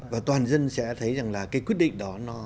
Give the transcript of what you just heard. và toàn dân sẽ thấy rằng là cái quyết định đó